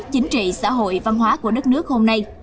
chính trị xã hội văn hóa của đất nước hôm nay